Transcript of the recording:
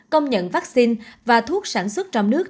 công nhận vaccine và thuốc sản xuất trong nước